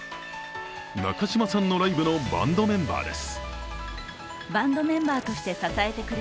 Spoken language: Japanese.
中島さんのライブのバンドメンバーです。